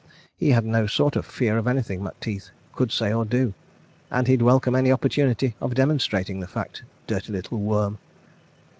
He had no sort of fear of anything Macteith could say or do—and he'd welcome any opportunity of demonstrating the fact. ... Dirty little worm!